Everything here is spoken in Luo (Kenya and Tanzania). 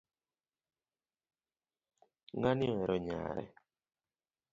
Ng'ani ohero nyare